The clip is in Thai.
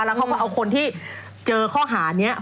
แล้วเขาก็เอาคนที่เจอข้อหานี้